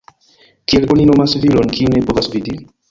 Kiel oni nomas viron, kiu ne povas vidi?